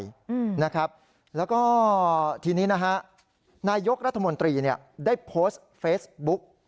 แล้วก็ทีนี้นายกรัฐมนตรีได้โพสต์เฟซบุ๊ก